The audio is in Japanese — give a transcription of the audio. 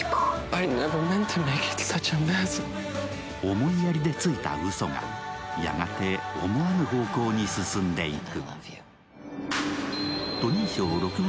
思いやりでついたうそがやがて思わぬ方向に進んでいく。